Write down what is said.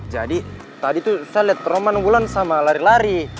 jadi tadi tuh saya liat teroman wulan sama lari lari